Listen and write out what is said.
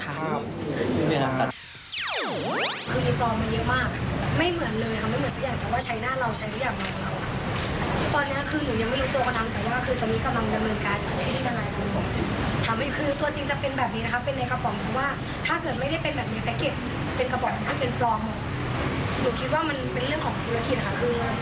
เพราะฉะนั้นเราจะอยากให้ลูกค้าของเราจะได้ใช้ของผลไม่ดี